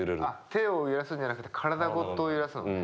手を揺らすんじゃなくて体ごと揺らすのね。